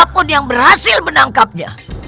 siapapun yang berhasil menangkapnya